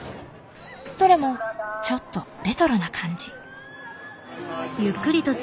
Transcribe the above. どれもちょっとレトロな感じ。